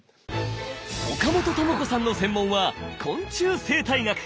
岡本朋子さんの専門は昆虫生態学！